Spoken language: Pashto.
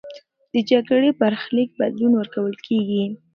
د جګړې برخلیک بدلون ورکول کېږي.